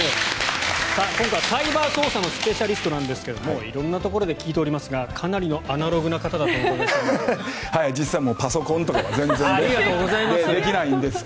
今回、サイバー捜査のスペシャリストなんですが色んなところで聞いておりますがかなりのアナログな方だと。実際、パソコンとか全然できないんです。